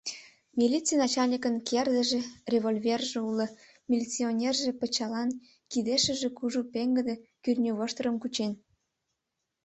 Милиций начальникын кердыже, револьверже уло, милиционерже пычалан, кидешыже кужу пеҥгыде кӱртньывоштырым кучен.